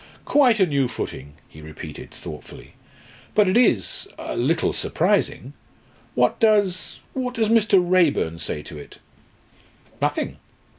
"Quite a new footing," he repeated thoughtfully. "But it is a little surprising. What does what does Mr. Raeburn say to it?" "Nothing!